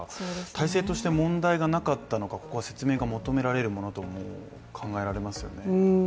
体制として問題がなかったのか、ここは説明が求められるものと考えられますよね。